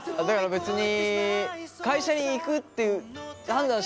別に。